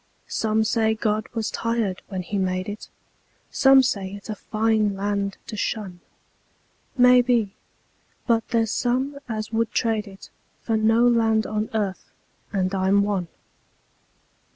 Some say God was tired when He made it; Some say it's a fine land to shun; Maybe; but there's some as would trade it For no land on earth and I'm one.